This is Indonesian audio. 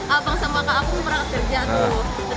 abang sama kakak aku pernah kerja tuh